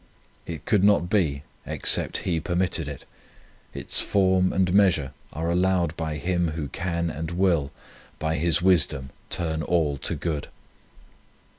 It could not be except He permitted it ; its form and measure are allowed by Him Who can and will by His wisdom turn all to good.